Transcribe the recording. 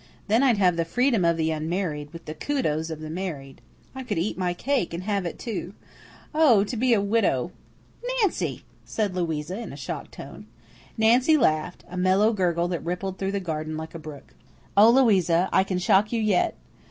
Then I'd have the freedom of the unmarried, with the kudos of the married. I could eat my cake and have it, too. Oh, to be a widow!" "Nancy!" said Louisa in a shocked tone. Nancy laughed, a mellow gurgle that rippled through the garden like a brook. "Oh, Louisa, I can shock you yet.